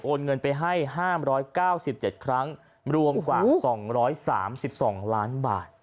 โอนเงินไปให้ห้ามร้อยเก้าสิบเจ็ดครั้งรวมกว่าสองร้อยสามสิบสองล้านบาท